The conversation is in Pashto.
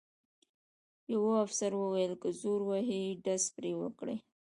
یوه افسر وویل: که زور وهي ډز پرې وکړئ.